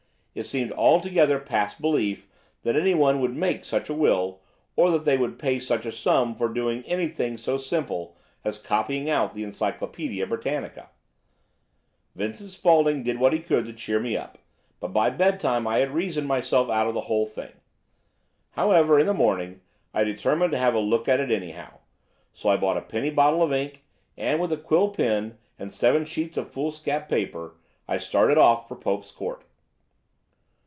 It seemed altogether past belief that anyone could make such a will, or that they would pay such a sum for doing anything so simple as copying out the Encyclopædia Britannica. Vincent Spaulding did what he could to cheer me up, but by bedtime I had reasoned myself out of the whole thing. However, in the morning I determined to have a look at it anyhow, so I bought a penny bottle of ink, and with a quill pen, and seven sheets of foolscap paper, I started off for Pope's Court.